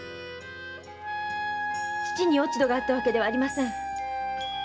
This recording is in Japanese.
父に落ち度があったわけではありません！